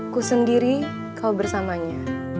ku sendiri kau bersamanya